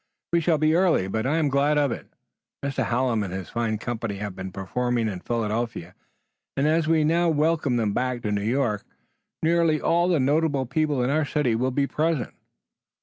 "We shall be early, but I am glad of it. Mr. Hallam and his fine company have been performing in Philadelphia, and as we now welcome them back to New York, nearly all the notable people of our city will be present.